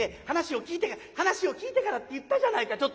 話を聞いて話を聞いてからって言ったじゃないか。